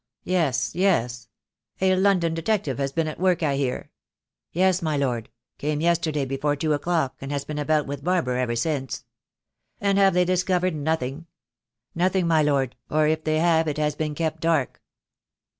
Yes, yes. A London detective has been at work, I hear." I I O THE DAY WILL COME. "Yes, my Lord; came yesterday before two o'clock, and has been about with Barber ever since." "And have they discovered nothing?" "Nothing, my Lord — or if they have it has been kept dark."